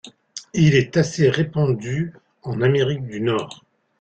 Il est assez répandu en Amérique du Nord.